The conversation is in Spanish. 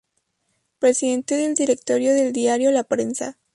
Presidente del Directorio del diario La Prensa.